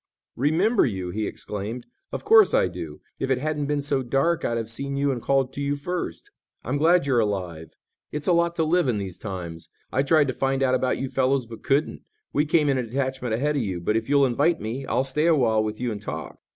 "Remember you!" he exclaimed. "Of course I do. If it hadn't been so dark I'd have seen you and called to you first. I'm glad you're alive. It's a lot to live in these times. I tried to find out about you fellows but couldn't. We came in a detachment ahead of you. But if you'll invite me, I'll stay awhile with you and talk."